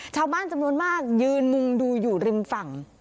ชาวบ้านจำนวนมากยืนมุงดูอยู่ริมฝั่ง